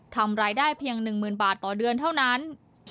ทำรายได้เพียง๑๐๐๐บาทต่อเดือนเท่านั้น